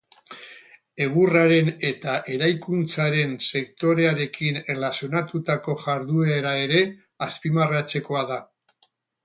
Egurraren eta eraikuntzaren sektorearekin erlazionatutako jarduera ere azpimarratzekoa da.